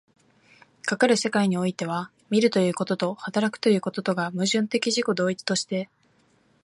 かかる世界においては、見るということと働くということとが矛盾的自己同一として、